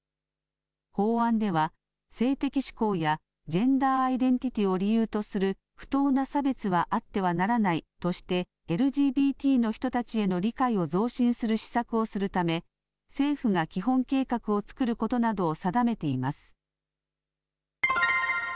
法案では、性的指向やジェンダーアイデンティティを理由とする不当な差別はあってはならないとして、ＬＧＢＴの人たちへの理解を増進する施策をするため、政府が基本計画を作ることなどを定めています。